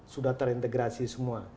sudah terintegrasi semua